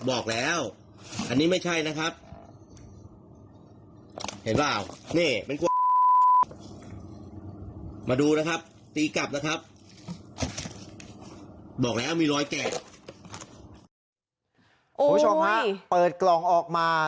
โอ้โหชมฮะเปิดกล่องออกมา